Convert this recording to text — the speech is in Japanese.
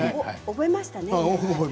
覚えましたよね。